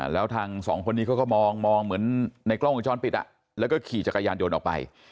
แล้วทางสองคนนี้เขาก็มองเหมือนในกล้องวงจรปิดแล้วก็ขี่จักรยานยนต์ออกไป